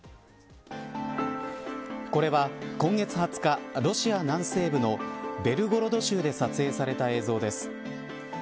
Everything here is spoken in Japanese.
これは今月２０日ロシア南西部のベルゴロド州で撮影された映像です。